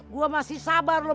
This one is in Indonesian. gua masih sabar lu